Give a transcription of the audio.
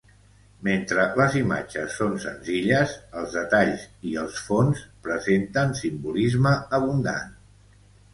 Mentre les imatges són senzilles, els detalls i els fons presenten simbolisme abundant.